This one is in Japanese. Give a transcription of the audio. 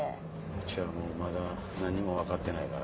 うちはまだ何も分かってないから。